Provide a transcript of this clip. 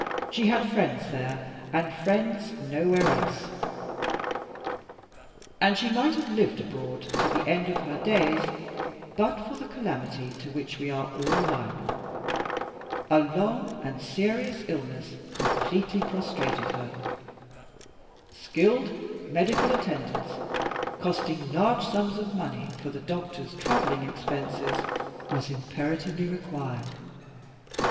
She had friends there, and friends nowhere else; and she might have lived abroad to the end of her days, but for a calamity to which we are all liable. A long and serious illness completely prostrated her. Skilled medical attendance, costing large sums of money for the doctors' traveling expenses, was imperatively required.